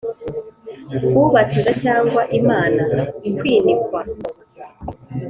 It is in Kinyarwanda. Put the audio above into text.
ubatiza cyangwa imana? kwinikwa?